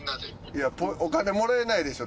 いやお金もらえないでしょ。